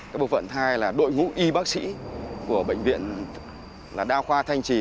các bộ phận hai là đội ngũ y bác sĩ của bệnh viện đa khoa thanh trì